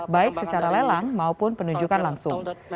baik secara lelang maupun penunjukan langsung